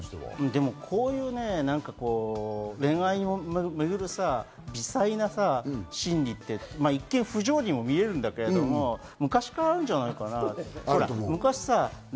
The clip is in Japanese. こういう恋愛をめぐる微細な心理って、一見不条理にも見えるんだけれども、昔からあるんじゃないかなって。